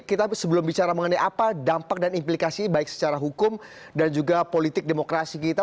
kita sebelum bicara mengenai apa dampak dan implikasi baik secara hukum dan juga politik demokrasi kita